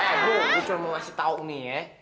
eh gue cuma mau kasih tau nih ya